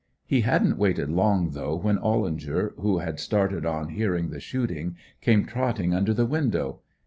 He hadn't waited long though when Ollinger, who had started on hearing the shooting, came trotting under the window.